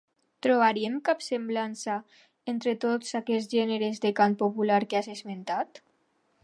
Trobaríem cap semblança entre tots aquests gèneres de cant popular que has esmentat?